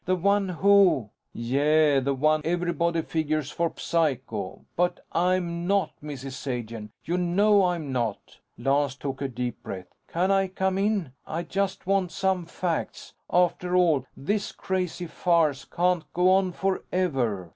The one who " "Yeh, the one everybody figures for psycho. But I'm not, Mrs. Sagen. You know I'm not." Lance took a deep breath. "Can I come in? I just want some facts. After all, this crazy farce can't go on forever."